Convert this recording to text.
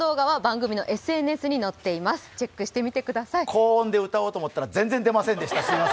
高音で歌おうと思ったら全然出ませんでした。